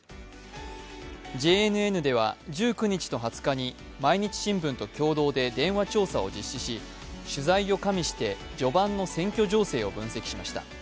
ＪＮＮでは１９日と２０日に「毎日新聞」と共同で電話調査を実施し、取材を加味して序盤の選挙情勢を分析しました。